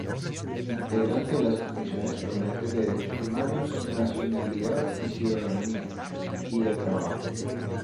Integrante de las comisiones permanentes de Derechos Humanos, Nacionalidad y Ciudadanía; y de Trabajo.